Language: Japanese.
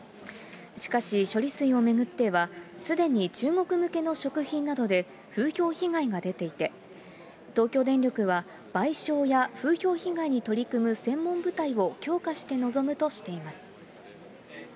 しかし、処理水を巡っては、すでに中国向けの食品などで風評被害が出ていて、東京電力は賠償や風評被害に取り組む専門部隊を強化して臨むとしています。